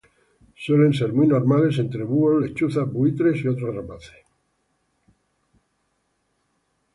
Suelen ser muy normales entre búhos, lechuzas, buitres y otras rapaces.